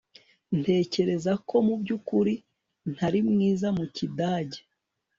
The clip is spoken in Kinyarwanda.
ntekereza ko mubyukuri ntari mwiza mu kidage